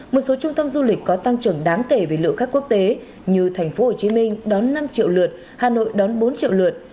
một số trung tâm du lịch có tăng trưởng đáng kể về lượng khách quốc tế như thành phố hồ chí minh đón năm triệu lượt hà nội đón bốn triệu lượt